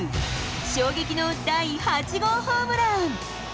衝撃の第８号ホームラン。